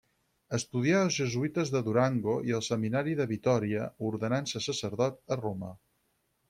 Estudià als Jesuïtes de Durango i al Seminari de Vitòria, ordenant-se sacerdot a Roma.